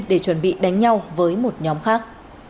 để chuẩn bị đánh nhau với một nhóm khác